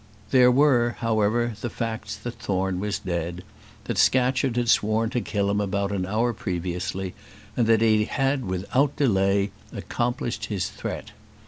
There were, however, the facts that Thorne was dead; that Scatcherd had sworn to kill him about an hour previously; and that he had without delay accomplished his threat.